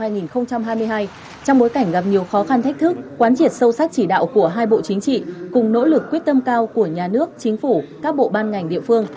trong bối cảnh gặp nhiều khó khăn thách thức quán triệt sâu sắc chỉ đạo của hai bộ chính trị cùng nỗ lực quyết tâm cao của nhà nước chính phủ các bộ ban ngành địa phương